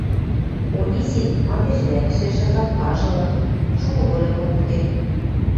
Онисин мардеж вӓкшӹжӹ, лапкажы ылын, шукы вольыкым урден.